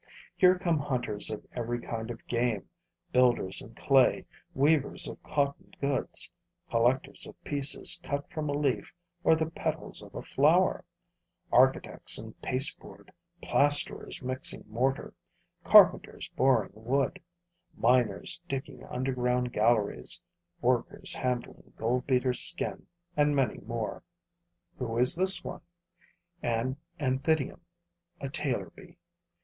Here come hunters of every kind of game, builders in clay, weavers of cotton goods, collectors of pieces cut from a leaf or the petals of a flower, architects in pasteboard, plasterers mixing mortar, carpenters boring wood, miners digging underground galleries, workers handling goldbeater's skin and many more. Who is this one? An Anthidium [a tailor bee].